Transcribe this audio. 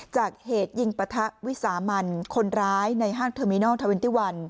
จากเหตุยิงประทะวิสามันคนร้ายในห้างเทอร์มินอลท์๒๑